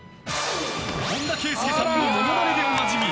本田圭佑さんのものまねでおなじみ